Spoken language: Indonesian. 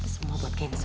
semua buat genzo